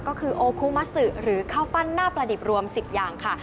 ก็คือโอคุมะซึหรือข้าวปั้นหน้าประดิบรวม๑๐อย่างค่ะ